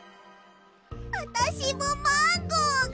あたしもマンゴーが。